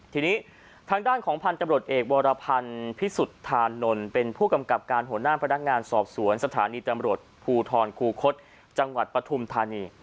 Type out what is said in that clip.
ทีนี้ทางด้านของพันธุ์ตำรวจเอกวรพันธ์พิสุทธานนท์เป็นผู้กำกับการหัวหน้าพนักงานสอบสวนสถานีตำรวจภูทรคูคศจังหวัดปฐุมธานี